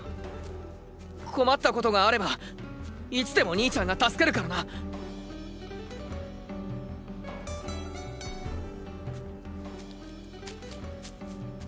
困ったことがあればいつでも兄ちゃんが助けるからなッ！